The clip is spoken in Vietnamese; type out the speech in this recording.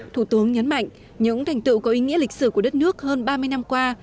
thủ tướng nhấn mạnh những thành tựu có ý nghĩa lịch sử của đất nước hơn ba mươi năm qua